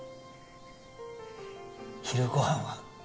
昼ご飯は